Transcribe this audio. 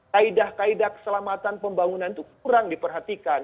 kaedah kaedah keselamatan pembangunan itu kurang diperhatikan